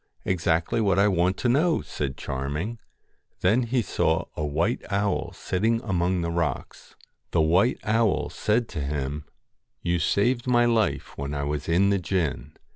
1 Exactly what I want to know !' said Charming. Then he saw a white owl sitting among the rocks. The white owl said to him: 'You saved my life when I was in the gin.